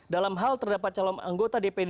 dalam hal terdapat calon anggota dpd